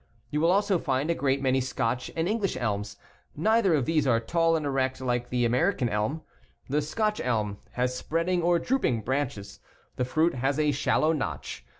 23 You will also find a great many Scotch and Eng lish elms. Neither of these are tall and erect like the American elm. The Scotch elm has spreading or drooping branches. The fruit has a shallow notch.